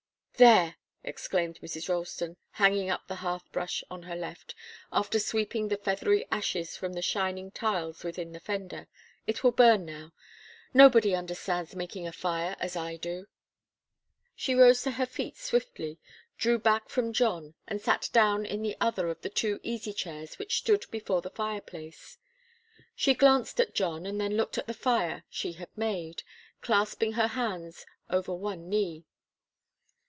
"There!" exclaimed Mrs. Ralston, hanging up the hearthbrush on her left, after sweeping the feathery ashes from the shining tiles within the fender. "It will burn now. Nobody understands making a fire as I do." She rose to her feet swiftly, drew back from John, and sat down in the other of the two easy chairs which stood before the fireplace. She glanced at John and then looked at the fire she had made, clasping her hands over one knee.